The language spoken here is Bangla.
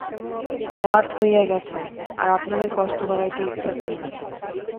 রাত হইয়া গেছে, আর আপনাদের কষ্ট বাড়াইতে ইচ্ছা করি না।